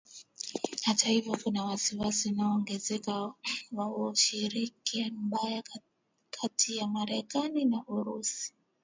Hata hivyo kuna wasiwasi unaoongezeka wa ushiriki mbaya kati ya Marekani na Urusi.